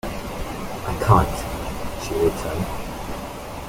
"I can't," she returned.